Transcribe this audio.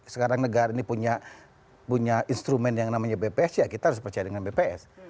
sekarang negara ini punya instrumen yang namanya bps ya kita harus percaya dengan bps